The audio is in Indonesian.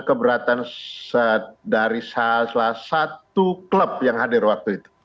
keberatan dari salah satu klub yang hadir waktu itu